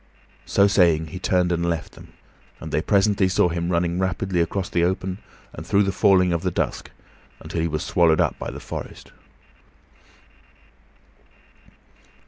So saying, he turned and left them, and they presently saw him running rapidly across the open, through the falling of the dusk, until he was swallowed up by the forest.